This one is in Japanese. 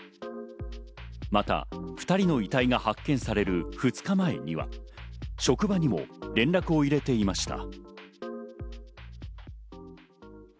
また２人の遺体が発見される２日前には、職場にも連絡を入れていました。